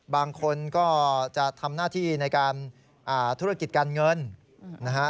บางคนก็จะทำหน้าที่ในการธุรกิจการเงินนะฮะ